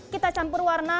kita campur warna